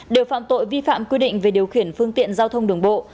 đều phạm tội vi phạm quy định về điều khiển phương tiện giao thông đường bộ